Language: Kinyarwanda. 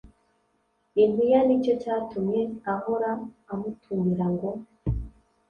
impiya Ni cyo cyatumye ahora amutumira ngo